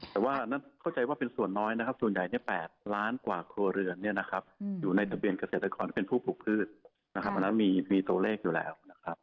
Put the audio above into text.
แต่ว่าเข้าใจว่าเป็นส่วนน้อยนะครับส่วนใหญ่เนี่ย๘ล้านกว่าครัวเรือนเนี่ยอยู่ในทะเบียนเกษตรกรที่เป็นผู้ปลูกพืชมันนั้นมีโตะเลขอยู่แล้ว